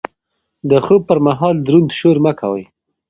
د خوب پر مهال دروند شور مه کوئ.